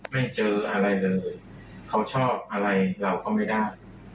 ไม่เจออะไรเลยเขาชอบอะไรเราก็ไม่ได้